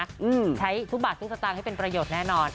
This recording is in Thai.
ใช้ทุกบาททุกสตางค์ให้เป็นประโยชน์แน่นอน